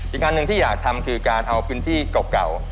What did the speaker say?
อีกอันหนึ่งที่อยากทำคือการเอาพื้นที่เก่า